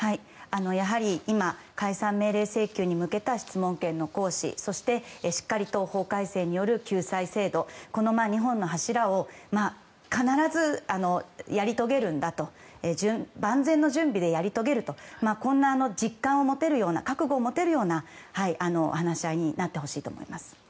やはり今、解散命令請求に向けた質問権の行使そして、法改正による救済制度の２本の柱を必ず、やり遂げるんだと万全の順でやり遂げるという実感、覚悟を持てるような話し合いになってほしいと思います。